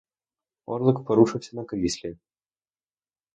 Орлик порушився на кріслі.